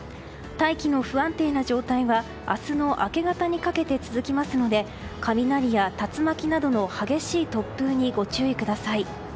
大気が不安定な状態は明日の明け方にかけて続きますので雷や竜巻などの激しい突風にご注意ください。